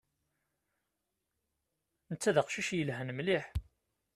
Netta d aqcic yelhan mliḥ.